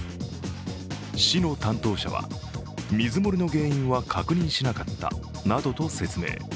市の担当者は水漏れの原因は確認しなかったなどと説明。